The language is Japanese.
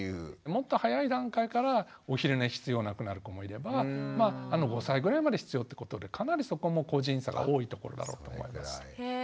もっと早い段階からお昼寝必要なくなる子もいれば５歳ぐらいまで必要ってことでかなりそこも個人差が多いところだと思います。